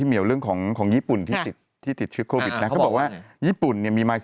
เหี่ยวเรื่องของของญี่ปุ่นที่ติดที่ติดเชื้อโควิดนะเขาบอกว่าญี่ปุ่นเนี่ยมีมา